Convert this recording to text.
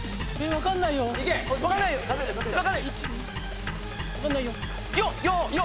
分かんないよ。